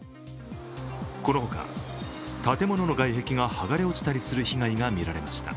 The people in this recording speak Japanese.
この他、建物の外壁が剥がれ落ちたりする被害が見られました。